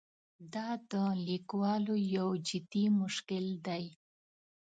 دا د لیکوالو یو جدي مشکل دی.